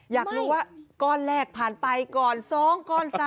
อยากรู้ว่าก้อนแรกผ่านไปก่อน๒ก้อน๓